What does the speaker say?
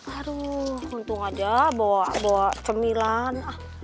aduh untung aja bawa cemilan